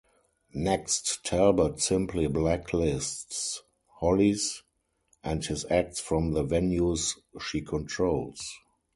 Next, Talbot simply blacklists Hollis and his acts from the venues she controls.